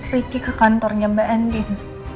riki ke kantornya mbak endin